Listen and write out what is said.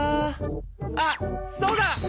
あっそうだ！